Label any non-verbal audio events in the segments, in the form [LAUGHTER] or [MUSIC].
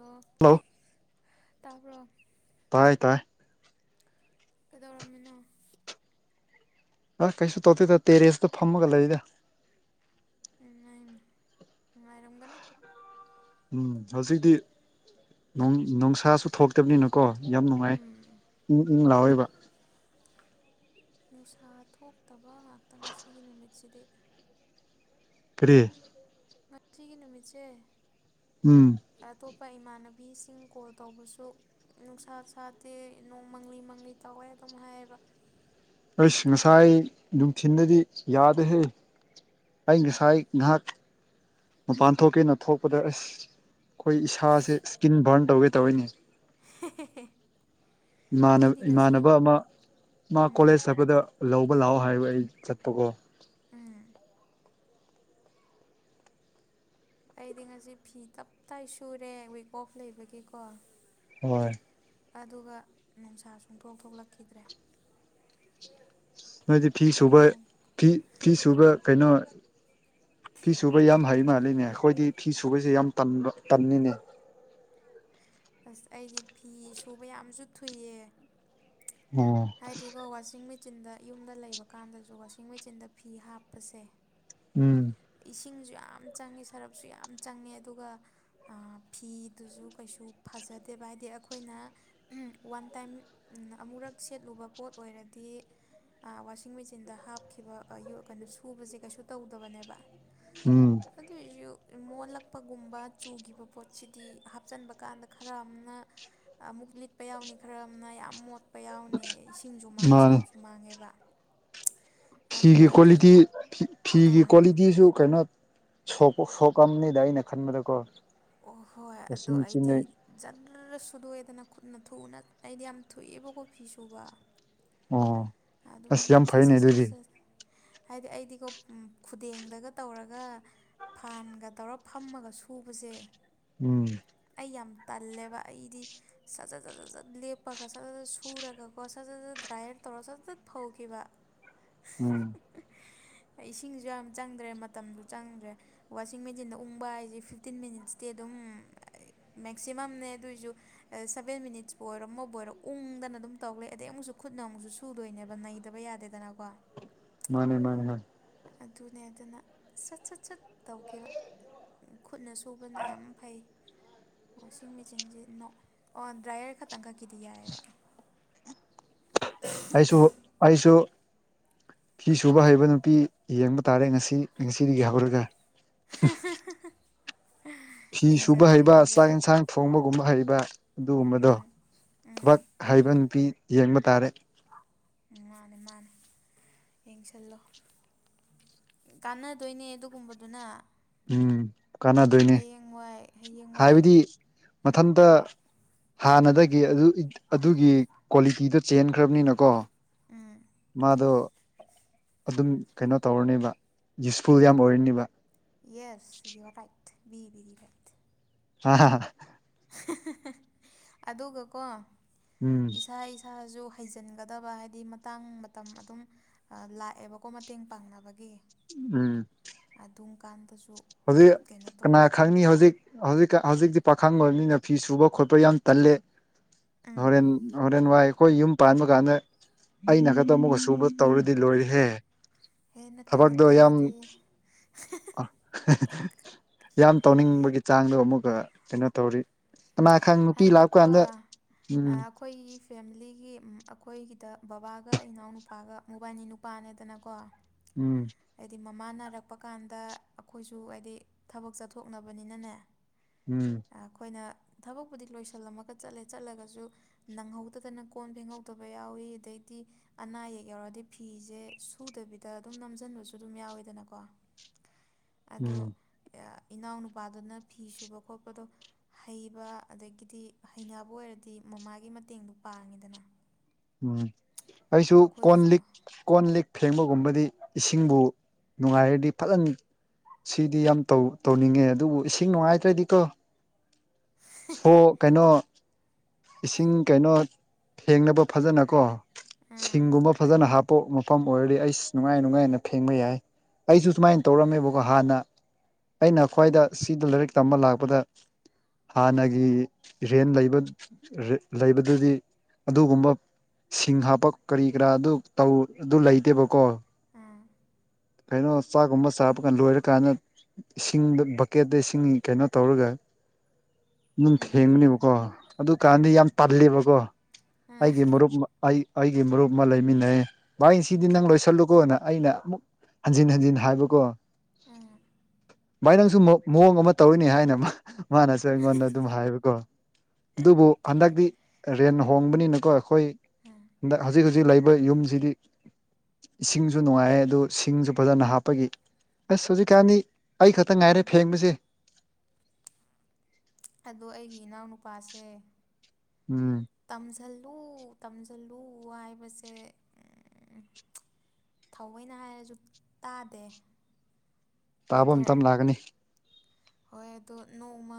ꯑꯣ ꯍꯜꯂꯣ ꯇꯥꯄ ꯇꯥꯏ ꯇꯥꯏ ꯀꯩꯗꯧꯔꯝꯃꯤꯅꯣ ꯑ ꯀꯩꯁꯨ ꯇꯧꯇ ꯇ ꯇꯦꯔꯦꯁꯨꯗ ꯐꯝꯃꯒ ꯂꯩ ꯏꯗ ꯉꯉꯥꯏꯔꯝꯒꯅꯤ ꯎꯝ ꯍꯧꯖꯤꯛꯇꯤ ꯅꯨꯡꯁꯥꯁꯨ ꯊꯣꯛꯇꯕꯅꯤꯅꯀꯣ ꯌꯥꯝ ꯅꯨꯡꯉꯥꯏ ꯎꯝ ꯎꯝ ꯎꯝ ꯂꯑꯣꯣꯏꯕ ꯅꯨꯡꯁꯥ ꯊꯣꯛꯇꯕ ꯉꯥꯛꯇ ꯉꯁꯤꯒꯤ ꯅꯨꯃꯤꯠꯁꯤꯗꯤ ꯇꯦ ꯉꯁꯤꯒꯤ ꯅꯨꯃꯤꯠꯁꯦ ꯎꯝ ꯑꯇꯣꯞꯄ ꯏꯃꯥꯟꯅꯕꯤꯁꯤꯡ ꯀꯣꯜ ꯇꯧꯕꯁꯨ ꯅꯨꯡꯁꯥ ꯁꯥꯗꯦ ꯅꯣꯡ ꯃꯪꯂꯤ ꯃꯪꯂꯤ ꯇꯧꯋꯦ ꯑꯗꯨꯝ ꯍꯥꯏꯌꯦꯕ ꯑꯩꯁ ꯉꯁꯥꯏ ꯅꯨꯡꯊꯤꯤꯟꯗꯗꯤ ꯌꯥꯗꯦꯍꯦ ꯑꯩ ꯉꯁꯥꯏ ꯉꯍꯥꯛ ꯃꯄꯥꯟ ꯊꯣꯛꯀꯦꯅ ꯊꯣꯛꯄꯗ ꯑꯁ ꯑꯩꯈꯣꯏ ꯏꯁꯥꯁꯦ ꯏꯁꯀꯤꯟ ꯕꯔꯟ ꯇꯧꯒꯦ ꯇꯧꯔꯤꯅꯤ [UNINTELLIGIBLE] ꯑꯩꯗꯤ ꯉꯁꯤ ꯏꯃꯥꯟꯅꯕ ꯑꯃ ꯃꯥ ꯎꯝ ꯀꯣꯂꯦꯖ ꯆꯠꯄꯗ ꯂꯧꯕ ꯂꯥꯛꯑꯣ ꯍꯥꯏꯕ ꯑꯩ ꯆꯠꯄꯀꯣ ꯎꯝ ꯑꯩꯗꯤ ꯉꯁꯤ ꯐꯤ ꯇꯞꯇꯥꯏ ꯁꯨꯔꯦ ꯋꯤꯛ ꯑꯣꯐ ꯂꯩꯕꯒꯤꯀꯣ ꯍꯣꯏ ꯑꯗꯨꯒ ꯅꯨꯡꯁꯥ ꯁꯨꯡꯊꯣꯛ ꯊꯣꯛꯂꯛꯈꯤꯗ꯭ꯔꯦ ꯃꯣꯏꯗꯤ ꯐꯤ ꯁꯨꯕ ꯄꯨꯡ ꯐꯤ ꯐꯤ ꯁꯨꯕ ꯀꯩꯅꯣ ꯐꯤ ꯁꯨꯕ ꯌꯥꯝ ꯍꯩ ꯃꯥꯜꯂꯤꯅꯦ ꯑꯩꯈꯣꯏꯗꯤ ꯐꯤ ꯁꯨꯕꯁꯦ ꯌꯥꯝ ꯇꯟꯅꯤꯅꯦ ꯑꯁ ꯑꯩꯗꯤ ꯐꯤ ꯁꯨꯕ ꯌꯥꯝꯁꯨ ꯊꯨꯏꯌꯦ ꯑꯣ ꯍꯥꯏꯗꯤꯀꯣ ꯋꯥꯁꯤꯡ ꯃꯦꯆꯤꯟꯗ ꯌꯨꯝꯗ ꯂꯩꯕ ꯀꯥꯟꯗꯁꯨ ꯋꯥꯁꯤꯡ ꯃꯦꯆꯤꯟꯗ ꯐꯤ ꯍꯥꯞꯄꯁꯦ ꯎꯝ ꯏꯁꯤꯡꯁꯨ ꯌꯥꯝ ꯆꯪꯉꯦ ꯁꯔꯞꯁꯨ ꯌꯥꯝ ꯆꯪꯉꯦ ꯑꯗꯨꯒ ꯐꯤꯗꯨꯁꯨ ꯀꯩꯁꯨ ꯐ ꯐꯖꯗꯦ ꯚ ꯍꯥꯏꯗꯤ ꯑꯩꯈꯣꯏꯅ ꯋꯥꯟ ꯇꯥꯏꯝ ꯑꯃꯨꯔꯛ ꯁꯦꯠꯂꯨꯕ ꯄꯣꯠ ꯑꯣꯏꯔꯗꯤ ꯋꯥꯁꯤꯡ ꯃꯦꯆꯤꯟꯗ ꯍꯥꯞꯈꯤꯕ ꯀꯩꯅꯣ ꯁꯨꯕꯁꯦ ꯀꯩꯁꯨ ꯇꯧꯗꯕꯅꯦꯕ ꯎꯝ ꯑꯗꯣ ꯃꯣꯜꯂꯛꯄꯒꯨꯝꯕ ꯆꯨꯈꯤꯕ ꯄꯣꯠꯁꯤꯗꯤ ꯍꯥꯞꯆꯟꯕ ꯀꯥꯟꯗ ꯈꯔ ꯑꯃꯅ ꯑꯃꯨꯛ ꯂꯤꯠꯄ ꯌꯥꯎꯅꯤ ꯈꯔ ꯑꯃꯅ ꯌꯥꯝ ꯃꯣꯠꯄ ꯌꯥꯎꯅꯤ ꯏꯁꯤꯡꯁꯨ ꯃꯥꯡꯉꯦ ꯃꯥꯅꯦ ꯁꯔꯞꯁꯨ ꯃꯥꯡꯉꯦꯕ ꯑꯗꯣ ꯐꯤꯒꯤ ꯑꯩꯗꯤ ꯀ꯭ꯋꯥꯂꯤꯇꯤ ꯐꯤꯒꯤ ꯑꯥ ꯀ꯭ꯋꯥꯂꯤꯇꯤꯁꯨ ꯀꯩꯅꯣ ꯁꯣꯛꯄ ꯁꯣꯛꯑꯗ ꯑꯩꯅ ꯈꯟꯕꯗꯀꯣ ꯑꯣ ꯍꯣꯏ ꯑꯗ ꯋꯥꯁꯤꯡ ꯃꯦꯆꯤꯟꯗ ꯑꯩꯗꯤ ꯖꯟ ꯈꯂ ꯁꯨꯗꯣꯛꯑꯦꯗꯅ ꯈꯨꯠꯅ ꯊꯨꯎꯅ ꯑꯩꯗꯤ ꯌꯥꯝ ꯊꯣꯛꯑꯦꯕ ꯀꯣꯐꯤ ꯁꯨꯕ ꯑꯣ ꯑꯗꯨꯝ ꯑꯁ ꯌꯥꯝ ꯁꯠ ꯐꯩꯅꯦ ꯁꯠ ꯁꯠ ꯑꯗꯨꯗꯤ ꯁꯠ ꯍꯥꯏꯗꯤ ꯑꯩꯗꯤꯀꯣ ꯈꯨꯗꯦꯡꯗꯒ ꯇꯧꯔꯒ ꯐꯥꯟꯒ ꯇꯧꯔ ꯐꯝꯃꯒ ꯁꯨꯕꯁꯦ ꯎꯝ ꯑꯩ ꯌꯥꯝ ꯇꯜꯂꯦꯕ ꯑꯩꯗꯤ ꯁꯠ ꯁꯠ ꯁꯠ ꯁꯠ ꯁꯠ ꯂꯦꯞꯄꯒ ꯁꯠ ꯁ ꯁꯖꯠ ꯁꯨꯔꯒꯀꯣ ꯁꯠ ꯁ ꯁꯠ ꯇ꯭ꯔꯥꯏꯌꯦꯔ ꯇꯣꯔ ꯆꯠ ꯆꯠ ꯐꯧꯈꯤꯕ ꯎꯝ ꯏꯁꯤꯡꯁꯨ ꯌꯥꯝ ꯆꯪꯗ꯭ꯔꯦ ꯃꯇꯝꯁꯨ ꯆꯪꯗ꯭ꯔꯦ ꯋꯥꯁꯤꯡ ꯃꯦꯆꯤꯟꯗ ꯎꯪꯕ ꯍꯥꯏꯁꯦ ꯐꯤꯞꯇꯤꯟ ꯃꯤꯅꯤꯠꯁꯇꯤ ꯑꯗꯨꯝ [INAUDIBLE] ꯃꯦꯛꯁꯤꯃꯝꯅꯦ ꯑꯗꯨꯑꯣꯏꯁꯨ ꯁꯚꯦꯟ ꯃꯤꯅꯤꯠꯁꯄꯨ ꯑꯣꯏꯔꯣ ꯑꯃꯕꯨ ꯑꯣꯏꯔꯣ ꯎꯪꯗꯅ ꯑꯗꯨꯝ ꯇꯧ ꯂꯩ ꯑꯗꯩ ꯑꯃꯨꯛꯁꯨ ꯈꯨꯠ ꯅꯧꯁꯨ ꯁꯨꯗꯣꯏꯅꯦꯕ ꯅꯩꯗꯕ ꯌꯥꯗꯦꯗꯅꯀꯣ ꯃꯥꯅꯦ ꯃꯥꯅꯦ ꯑꯗꯨꯅꯦ ꯑꯗꯨꯅ ꯁꯠ ꯁꯠ ꯁꯠ ꯇꯧꯈꯤꯕ ꯈꯨꯠꯅ ꯁꯨꯕꯅ ꯌꯥꯝ ꯐꯩ ꯋꯥꯁꯤꯡ ꯃꯦꯆꯤꯟꯁꯤ ꯅ ꯑꯣ ꯗ꯭ꯔꯥꯏꯌꯔ ꯈꯛꯇꯪ ꯈ ꯒꯤꯗꯤ ꯌꯥꯏꯑꯕ ꯑꯩꯁꯨ ꯑꯩꯁꯨ ꯐꯤ ꯁꯨꯕ ꯍꯩꯕ ꯅꯨꯄꯤ ꯌꯦꯡꯕ ꯇꯥꯔꯦ ꯉꯁꯤ ꯉꯁꯤꯗꯒꯤ ꯍꯧꯔꯒ ꯍ ꯐꯤ ꯁꯨꯕ ꯍꯩꯕ ꯆꯥꯛ ꯌꯦꯟꯁꯥꯡ ꯊꯣꯡꯕꯒꯨꯝꯕ ꯍꯩꯕ ꯑꯗꯨꯒꯨꯝꯕꯗꯣ ꯊꯕꯛ ꯍꯩꯕ ꯅꯨꯄꯤ ꯌꯦꯡꯕ ꯇꯥꯔꯦ ꯎꯝ ꯃꯥꯅꯦ ꯃꯥꯅꯦ ꯌꯦꯡꯁꯤꯜꯂꯣ ꯀꯥꯟꯅꯗꯣꯏꯅꯦ ꯑꯗꯨꯒꯨꯝꯕꯗꯨꯅ ꯎꯝ ꯀꯥꯟꯅꯗꯣꯏꯅꯦ ꯍꯌꯦꯡꯋꯥꯏ ꯍꯌꯦꯡꯋꯥꯏ ꯍꯥꯏꯕꯗꯤ ꯃꯊꯟꯇ ꯍꯥꯟꯅꯗꯒꯤ ꯑꯗꯨ ꯑꯗꯨꯒꯤ ꯀ꯭ꯋꯥꯂꯤꯇꯤꯗꯣ ꯆꯦꯟꯈ꯭ꯔꯕꯅꯤꯅꯀꯣ ꯎꯝ ꯃꯥꯗ ꯑꯗꯨꯝ ꯀꯩꯅꯣ ꯇꯧꯔꯅꯦꯕ ꯌꯨꯁꯐꯨꯜ ꯌꯥꯝ ꯑꯣꯏꯔꯅꯤꯕ ꯌꯦꯁ ꯌꯨꯔ ꯔꯥꯏꯠ ꯕꯤ ꯕꯦꯔꯤ ꯔꯥꯏꯠ ꯑ ꯑꯗꯨꯒꯀꯣ ꯎꯝ ꯏꯁꯥ ꯏꯁꯥꯁꯨ ꯍꯩꯖꯤꯟꯒꯗꯕ ꯍꯥꯏꯗꯤ ꯃꯇꯥꯡ ꯃꯇꯝ ꯑꯗꯨꯝ ꯂꯥꯛꯑꯦꯕꯀꯣ ꯃꯇꯦꯡ ꯄꯥꯡꯅꯕꯒꯤ ꯎꯝ ꯇꯨꯡ ꯀꯥꯟꯗꯁꯨ ꯍꯧꯖꯤꯛ ꯀꯩꯅꯣ ꯀꯅꯥ ꯇꯧꯅꯕ ꯈꯪꯉꯤ ꯍꯧꯖꯤꯛ ꯍꯧꯖꯤꯛ ꯍꯧꯖꯤꯛꯇꯤ ꯄꯥꯈꯪꯕ ꯃꯤꯅ ꯐꯤ ꯁꯨꯕ ꯈꯣꯠꯄ ꯌꯥꯝ ꯇꯜꯂꯦ ꯎꯝ ꯍꯣꯔꯦꯟ ꯍꯣꯔꯦꯟ ꯋꯥꯏ ꯑꯩꯈꯣꯏ ꯌꯨꯝ ꯄꯥꯟꯕ ꯀꯥꯟꯗ ꯑꯩꯅ ꯈꯛꯇ ꯑꯃꯨꯛꯀ ꯁꯨꯕ ꯇꯧꯔꯗꯤ ꯂꯣꯏꯔꯦꯍꯦ ꯍꯦ ꯅꯠꯇꯦ ꯊꯕꯛꯇꯣ ꯅꯠꯇꯦ ꯌꯥꯝ ꯍꯥꯏꯗꯤ ꯌꯥꯝ ꯇꯧꯅꯤꯡꯕꯒꯤ ꯆꯥꯡꯗꯣ ꯑꯃꯨꯛꯀ ꯀꯩꯅꯣ ꯇꯧꯔꯤ ꯀꯅꯥ ꯈꯪ ꯅꯨꯄꯤ ꯂꯥꯛꯄ ꯍꯥꯏꯗꯤꯀꯣ ꯀꯥꯟꯗ ꯎꯝ ꯑꯩꯈꯣꯏꯒꯤ ꯐꯦꯃꯤꯂꯤꯒꯤ ꯑꯩꯈꯣꯏꯒꯤꯗ ꯕꯕꯥꯒ ꯏꯅꯥꯎ ꯅꯨꯄꯥꯒ ꯃꯣꯕꯥꯏꯜꯅꯤ ꯅꯨꯄꯥꯅꯤꯗꯅꯀꯣ ꯎꯝ ꯃꯥꯟꯅꯔꯛꯄ ꯀꯥꯟꯗ ꯑꯩꯈꯣꯏꯁꯨ ꯍꯥꯏꯗꯤ ꯊꯕꯛ ꯆꯠꯊꯣꯛꯅꯕꯅꯤꯅꯅꯦ ꯎꯝ ꯑꯩꯈꯣꯏꯅ ꯊꯕꯛ ꯗꯤ ꯂꯣꯏꯁꯤꯜꯂꯝꯃꯒ ꯆꯠꯂꯦ ꯆꯠꯂꯒꯁꯨ ꯅꯪꯍꯧꯗꯗꯅ ꯀꯣꯟ ꯐꯦꯡꯍꯧꯗꯕ ꯌꯥꯎꯋꯤ ꯑꯗꯩꯗꯤ ꯑꯅꯥ ꯑꯌꯦꯛ ꯌꯥꯎꯔꯗꯤ ꯐꯤꯁꯦ ꯁꯨꯗꯕꯤꯗ ꯑꯗꯨꯝ ꯅꯝꯁꯤꯟꯕꯁꯨ ꯑꯗꯨꯝ ꯌꯥꯎꯋꯦꯗꯅꯀꯣ [UNINTELLIGIBLE] ꯑꯗꯣ ꯎꯝ ꯏꯅꯥꯎꯅꯨꯄꯥꯗꯨꯅ ꯐꯤ ꯁꯨꯕ ꯈꯣꯠꯄꯗꯣ ꯍꯩꯕ ꯑꯗꯒꯤꯗꯤ ꯍꯩꯅꯕꯨ ꯑꯣꯏꯔꯗꯤ ꯃꯃꯥꯒꯤ ꯃꯇꯦꯡꯗꯔ ꯄꯥꯡꯉꯤꯗꯅ ꯎꯝ ꯑꯩꯁꯨ ꯀꯣꯟ ꯑꯩꯈꯣꯏꯒꯤꯁꯨ ꯂꯤꯛ ꯀꯣꯟ ꯂꯤꯛ ꯐꯦꯡꯕ ꯑꯗꯨꯒꯨꯝꯕꯗꯤ ꯏꯁꯤꯡꯕꯨ ꯅꯨꯡꯉꯥꯏꯔꯗꯤ ꯐꯖꯅ ꯁꯤꯗꯤ ꯌꯥꯝꯧ ꯇꯧꯅꯤꯡꯉꯦ ꯑꯗꯨꯕꯨ ꯏꯁꯤꯡ ꯅꯨꯡꯉꯥꯏꯇ꯭ꯔꯗꯤ ꯀꯣ ꯁꯣ ꯀꯩꯅꯣ ꯏꯁꯤꯡ ꯀꯩꯅꯣ ꯊꯦꯡꯅꯕ ꯐꯖꯅ ꯀꯣ ꯎꯝ ꯁꯤꯡꯒꯨꯝꯕ ꯐꯖꯅ ꯍꯥꯞ ꯄꯣꯠ ꯃꯐꯝ ꯑꯣꯏꯔꯗꯤ ꯑꯩ ꯅꯨꯡꯉꯥꯏ ꯅꯨꯡꯉꯥꯏꯅ ꯐꯦꯡꯕ ꯌꯥꯏ ꯑꯩꯁꯨ ꯁꯨꯃꯥꯏꯅ ꯇꯧꯔꯝꯃꯦꯕꯀꯣ ꯍꯥꯟꯅ ꯑꯩꯅ ꯈ꯭ꯋꯥꯏꯗ ꯁꯤꯗ ꯂꯥꯏꯔꯤꯛ ꯇꯝꯕ ꯂꯥꯛꯄꯗ ꯍꯥꯟꯅꯒꯤ ꯔꯦꯟ ꯂꯩꯕ ꯂꯩꯕꯗꯨꯗꯤ ꯑꯗꯨꯒꯨꯝꯕ ꯁꯤꯡ ꯍꯥꯞꯄ ꯀꯔꯤ ꯀꯔꯥ ꯑꯗꯨ ꯇꯧ ꯑꯗꯨ ꯂꯩꯇꯦꯕꯀꯣ ꯎꯝ ꯀꯩꯅꯣ ꯆꯥꯛꯒꯨꯝꯕ ꯁꯥꯕ ꯀꯥꯟ ꯂꯣꯏꯔꯀꯥꯟꯗ ꯏꯁꯤꯡꯗ ꯕꯛꯀꯦꯠꯇ ꯏꯁꯤꯡꯒꯤ ꯀꯩꯅꯣ ꯇꯧꯔꯒ ꯑꯗꯨꯝ ꯎꯝ ꯎꯝ ꯐꯦꯡꯕꯅꯦꯕꯀꯣ ꯑꯗꯨꯀꯥꯟꯗꯤ ꯎꯝ ꯌꯥꯝ ꯇꯜꯂꯦꯕꯀꯣ ꯎꯝ ꯎꯝ ꯑꯩꯒꯤ ꯃꯔꯨꯞ ꯑꯩ ꯑꯩꯒꯤ ꯃꯔꯨꯞ ꯑꯃ ꯂꯩꯃꯤꯟꯅꯩ ꯚꯥꯏ ꯁꯤꯗꯤ ꯅꯪ ꯎꯝ ꯂꯣꯏꯁꯤꯜꯂꯨꯀꯣꯅ ꯑꯩꯅ ꯑꯃꯨꯛ ꯍꯟꯖꯤꯟ ꯍꯟꯖꯤꯟ ꯍꯥꯏꯕꯀꯣ ꯑꯝ ꯚꯥꯏ ꯅꯪꯁꯨ ꯃꯑꯣꯡ ꯑꯃ ꯇꯧꯔꯤꯅꯤ ꯍꯥꯏꯅ ꯃꯥꯅꯁꯨ ꯑꯩꯉꯣꯟꯗ ꯑꯗꯨꯝ ꯍꯥꯏꯕꯀꯣ ꯑꯗꯨꯕꯨ ꯍꯟꯗꯛꯇꯤ ꯔꯦꯟ ꯍꯣꯡꯕꯅꯤꯅꯀꯣ ꯑꯩꯈꯣꯏ ꯍꯟꯗꯛ ꯍꯧꯖꯤꯛ ꯍꯧꯖꯤꯛ ꯂꯩꯕ ꯌꯨꯝꯁꯤꯗꯤ ꯏꯁꯤꯡꯁꯨ ꯅꯨꯡꯉꯥꯏ ꯑꯗꯨ ꯁꯤꯡꯁꯨ ꯐꯖꯅ ꯍꯥꯞꯄꯒꯤ ꯑꯁ ꯍꯧꯖꯤꯛꯀꯥꯟꯗꯤ ꯑꯩ ꯈꯛꯇ ꯉꯥꯏꯔꯦ ꯎꯝ ꯐꯦꯡꯕꯁꯦ ꯑꯗꯣ ꯑꯩꯒꯤ ꯏꯅꯥꯎꯅꯨꯄꯥꯁꯦ ꯎꯝ ꯇꯧꯖꯜꯂꯨ ꯇꯝꯁꯤꯜꯂꯨ ꯍꯥꯏꯕꯁꯦ ꯊꯥꯑꯣꯏꯅ ꯍꯥꯏꯔꯁꯨ ꯇꯥꯗꯦ ꯇꯥꯕ ꯑꯗꯣ ꯃꯇꯝ ꯂꯥꯛꯀꯥꯅꯤ ꯍꯣꯏ ꯑꯗꯣ ꯅꯣꯡꯃ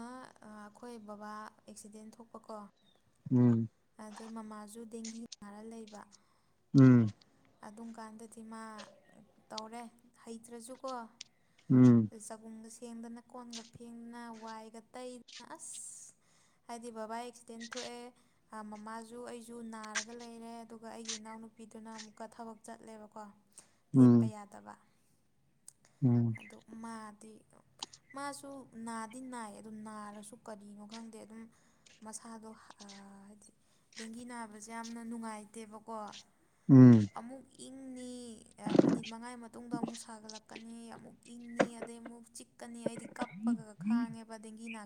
ꯑꯩꯈꯣꯏ ꯕꯕꯥ ꯑꯦꯛꯁꯤꯗꯦꯟ ꯊꯣꯛꯄꯀꯣ ꯎꯝ ꯑꯗꯩ ꯃꯃꯥꯖꯨ ꯗꯦꯡꯒꯤ ꯅꯥꯔ ꯂꯩꯕ ꯎꯝ ꯑꯗꯨꯝꯀꯥꯟꯗꯗꯤ ꯃꯥ ꯇꯧꯔꯦ ꯍꯩꯇ꯭ꯔꯥꯁꯨꯀꯣ ꯎꯝ ꯆꯒꯨꯝꯁꯦꯡꯗꯅ ꯀꯣꯟꯒ ꯐꯦꯡꯗꯅ ꯋꯥꯏꯒ ꯇꯩꯗꯅ ꯑꯁ ꯍꯥꯏꯗꯤ ꯕꯕꯥ ꯑꯦꯛꯁꯤꯗꯦꯟ ꯊꯣꯛꯑꯦ ꯃꯃꯥꯁꯨ ꯑꯩꯁꯨ ꯅꯥꯔꯒ ꯂꯩꯔꯦ ꯑꯗꯨꯒ ꯑꯩꯒꯤ ꯏꯅꯥꯎ ꯅꯨꯄꯤꯗꯨꯅ ꯑꯃꯨꯛꯀ ꯊꯕꯛ ꯆꯠꯂꯦꯕꯀꯣ ꯂꯦꯞꯄ ꯎꯝ ꯌꯥꯗꯕ ꯎꯝ ꯑꯗꯨ ꯃꯥꯗꯤ ꯃꯥꯁꯨ ꯅꯥꯗꯤ ꯅꯥꯏ ꯑꯗꯨ ꯅꯥꯔꯁꯨ ꯀꯔꯤꯅꯣ ꯈꯪꯗꯦ ꯑꯗꯨꯝ ꯃꯁꯥꯗꯣ ꯗꯦꯡꯒꯤ ꯅꯥꯕꯁꯦ ꯌꯥꯝꯅ ꯅꯨꯡꯉꯥꯏꯇꯦꯕꯀꯣ ꯎꯝ ꯑꯃꯨꯛ ꯏꯪꯅꯤ ꯃꯤꯅꯤꯠ ꯃꯉꯥꯒꯤ ꯃꯇꯨꯡꯗ ꯑꯃꯨꯛ ꯁꯥꯒꯠꯂꯛꯄ ꯀꯅꯤ ꯑꯃꯨꯛ ꯏꯪꯅꯤ ꯑꯗꯩ ꯑꯃꯨꯛ ꯆꯤꯛꯀꯥ ꯀꯞꯄꯒ ꯈꯥꯡꯉꯦꯕ ꯗꯦꯡꯒꯤ ꯅꯥ